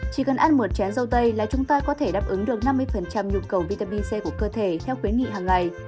chỉ cần ăn một chén dâu tây là chúng ta có thể đáp ứng được năm mươi nhu cầu vitamin c của cơ thể theo khuyến nghị hàng ngày